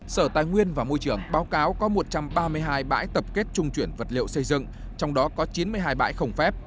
sở tài nguyên và môi trường báo cáo có một trăm ba mươi hai bãi tập kết trung chuyển vật liệu xây dựng trong đó có chín mươi hai bãi không phép